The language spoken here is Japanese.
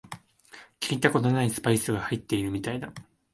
聞いたことないスパイスが入ってるみたいだ